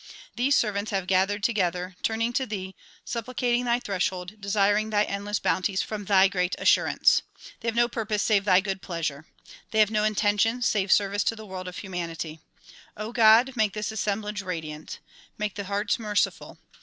These servants have gathered together, turning to thee, supplicating thy threshold, desiring thy endless bounties from thy great assurance. They have no purpose save thy good pleasure. They have no intention save service to the world of humanity. God! make this assemblage radiant. Make the hearts merciful.